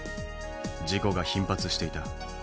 事故が頻発していた。